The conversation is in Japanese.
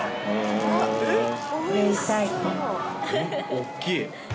大っきい。